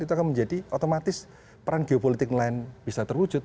itu akan menjadi otomatis peran geopolitik lain bisa terwujud